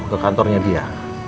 ke kantornya dia